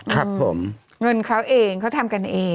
ครับผมเงินเขาเองเขาทำกันเอง